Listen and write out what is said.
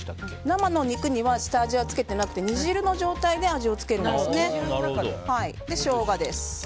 生の肉には下味を付けてなくて煮汁の状態で味をつけるんですね。